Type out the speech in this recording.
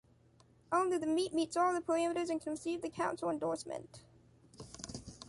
Only the meat meets all the parameters and can receive the Council endorsement.